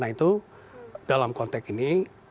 itu dalam konteks ini